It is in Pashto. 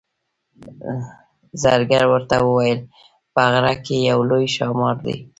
زرګر ورته وویل په غره کې یو لوی ښامار دی.